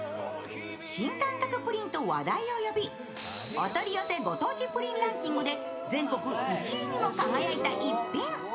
新感覚プリンと話題を呼び、お取り寄せご当地プリンランキングで全国１位にも輝いた逸品。